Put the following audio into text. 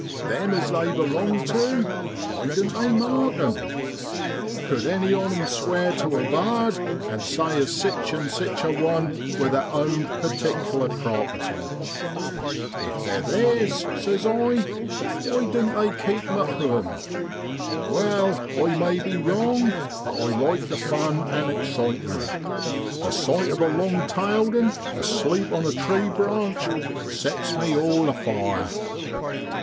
Them as they belong tu, why doan't they mark 'em ? Cud any on 'em sware tu a bard, and say as sich an' sich a one wor theer own pertikler property ? If they're theers, says I, why doan't they keep 'em at home? Wai, I may be wrong, but I like the fun an' excitement: the sight of a long tailed 'un asleep on a tree branch sets me all afire.